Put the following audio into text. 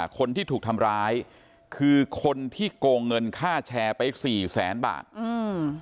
คนที่ถูกทำร้ายคือคนที่โกงเงินค่าแชร์ไปสี่แสนบาทอืม